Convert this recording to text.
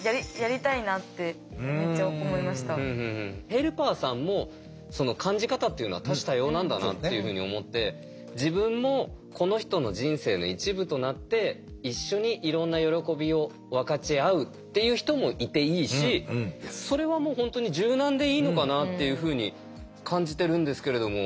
ヘルパーさんも感じ方っていうのは多種多様なんだなっていうふうに思って自分もこの人の人生の一部となって一緒にいろんな喜びを分かち合うっていう人もいていいしそれはもう本当に柔軟でいいのかなっていうふうに感じてるんですけれども。